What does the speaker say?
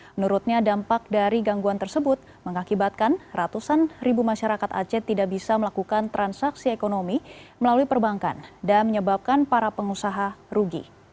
menurutnya dampak dari gangguan tersebut mengakibatkan ratusan ribu masyarakat aceh tidak bisa melakukan transaksi ekonomi melalui perbankan dan menyebabkan para pengusaha rugi